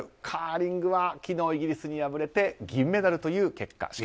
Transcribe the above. カーリングは昨日イギリスに敗れて銀メダルという結果。